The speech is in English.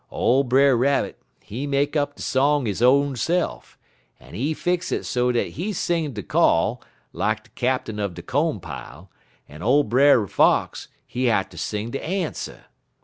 Ole Brer Rabbit, he make up de song he own se'f, en he fix it so dat he sing de call, lak de captain er de co'n pile, en ole Brer Fox, he hatter sing de answer."